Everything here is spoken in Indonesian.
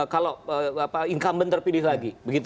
kalau incumbent terpilih lagi